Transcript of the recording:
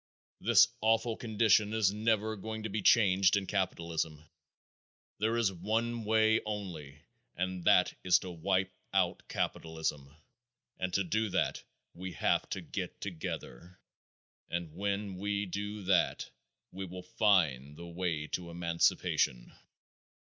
This awful condition is never going to be changed in capitalism. There is one way only and that is to wipe out capitalism, and to do that we have to get together, and when we do that we will find the way to emancipation.